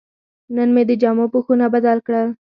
نن مې د جامو پوښونه بدل کړل.